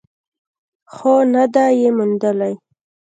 خو نه ده یې موندلې.